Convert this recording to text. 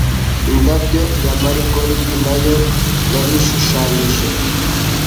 Indabyo ya marigold nayo yarishushanyije